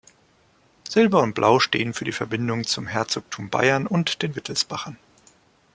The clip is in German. Silber und Blau stehen für die Verbindung zum Herzogtum Bayern und den Wittelsbachern.